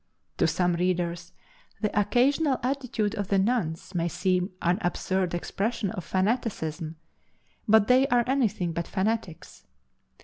To some readers, the occasional attitude of the nuns may seem an absurd expression of fanaticism, but they are anything but fanatics.